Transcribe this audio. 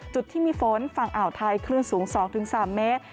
จุดที่มีฝนฝั่งอ่าวไทยคลื่นสูง๒๓เมตร